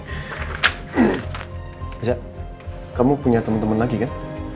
eh kamu punya teman teman lagi kan